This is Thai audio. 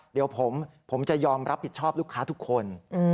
เดี๋ยวผมจะยอมรับผิดชอบลูกค้าทุกคน